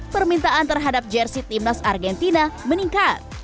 permintaan terhadap jersi timnas argentina meningkat